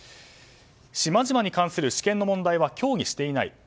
島々に関する主権の問題は協議していない。